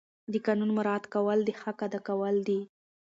د قانون مراعات کول د حق ادا کول دي.